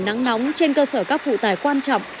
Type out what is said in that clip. nắng nóng trên cơ sở các phụ tải quan trọng